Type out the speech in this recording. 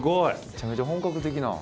めちゃめちゃ本格的な。